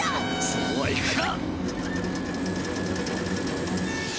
そうはいくか！